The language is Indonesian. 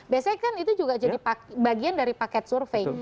biasanya kan itu juga jadi bagian dari paket survei